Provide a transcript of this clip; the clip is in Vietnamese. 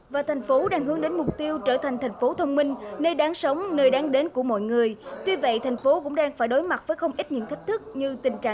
và thành phố đang hướng đến mục tiêu trở thành thành phố thông minh nơi đáng sống nơi đáng đến của mọi người